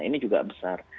ini juga besar